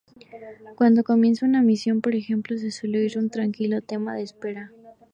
Cuando comienza una misión, por ejemplo, se suele oír un tranquilo tema de espera.